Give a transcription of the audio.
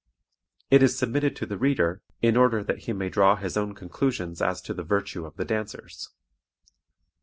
It is submitted to the reader, in order that he may draw his own conclusions as to the virtue of the dancers.